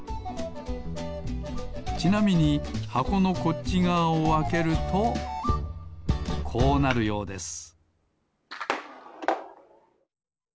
ちなみにはこのこっちがわをあけるとこうなるようです